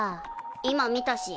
今見たし。